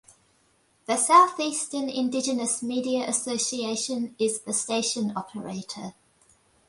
The South Eastern Indigenous Media Association is the station operator.